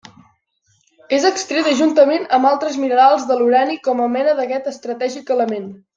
És extreta juntament amb altres minerals de l'urani com a mena d'aquest estratègic element.